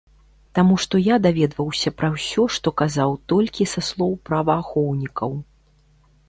Таму што я даведваўся пра ўсё, што казаў, толькі са слоў праваахоўнікаў.